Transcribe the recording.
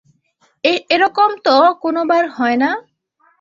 এরকম তো কোনোবার হয় না?